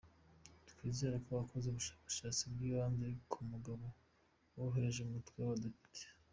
Twizera ko wakoze ubushakashatsi bw’ibanze ku mugabo woherereje umutwe w’abadepite.”